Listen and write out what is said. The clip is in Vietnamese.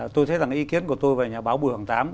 tôi thấy rằng ý kiến của tôi và nhà báo bùi hồng tám